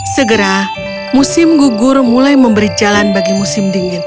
segera musim gugur mulai memberi jalan bagi musim dingin